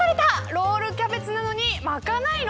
ロールキャベツなのに巻かないの？